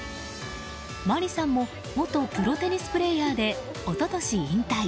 まりさんも元プロテニスプレーヤーで一昨年引退。